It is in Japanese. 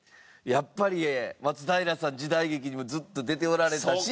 やっぱり松平さん時代劇にもずっと出ておられたし。